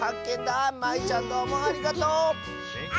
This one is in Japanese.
ありがとう！